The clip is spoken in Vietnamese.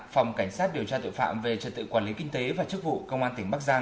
phòng cảnh sát điều tra tội phạm về trật tự quản lý kinh tế và chức vụ công an tỉnh bắc giang